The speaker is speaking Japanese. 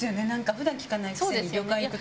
普段聞かないくせに旅館行くと。